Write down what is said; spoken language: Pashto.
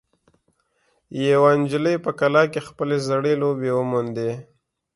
یوه نجلۍ په کلا کې خپلې زړې لوبې وموندې.